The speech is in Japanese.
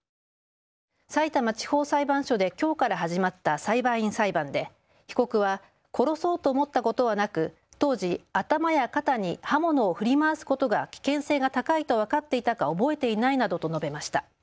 さいたま地方裁判所できょうから始まった裁判員裁判で被告は殺そうと思ったことはなく当時、頭や肩に刃物を振り回すことが危険性が高いと分かっていたか覚えていないなどと述べました。